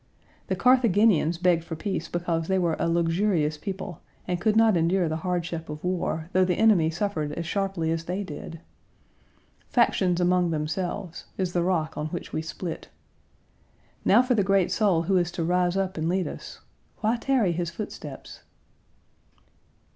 The Carthaginians begged for peace because they were a luxurious people and could not endure the hardship of war, though Page 148 the enemy suffered as sharply as they did! "Factions among themselves" is the rock on which we split. Now for the great soul who is to rise up and lead us. Why tarry his footsteps?